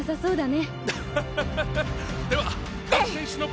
そうだね。